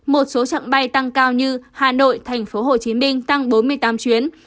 một số trạng bay tăng cao như hà nội tp hcm tăng bốn mươi tám chuyến